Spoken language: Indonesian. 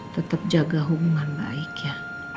tetap jaga hubungan baik ya